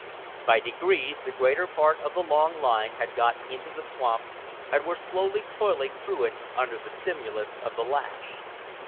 By degrees the greater part of the long line had got into the swamp and were slowly toiling through it under the stimulus of the lash.